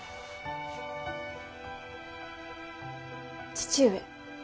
父上。